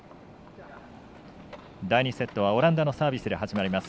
第２セットはオランダのサービスで始まります。